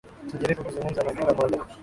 Tulijaribu kuzungumza na kila mmoja.